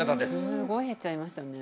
すごい減っちゃいましたね。